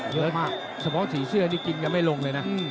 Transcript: เยอะมากสำหรับสีเสื้อนี่จริงยังไม่ลงเลยนะ